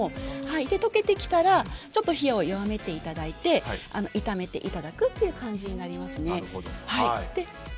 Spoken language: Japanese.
溶けてきたら火を弱めていただいて炒めていただくという感じになりますね。